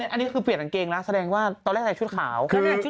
อันนี้คือเปลี่ยนกางเกงแล้วแสดงว่าตอนแรกใส่ชุดขาว